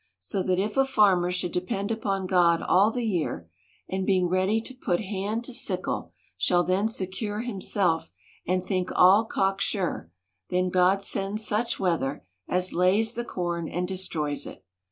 So that if a farmer should depend upon God all the year, and, being ready to put hand to sickle, shall then secure himself, and think all cocksure ; then God sends such weather, as lays the corn and destroys it.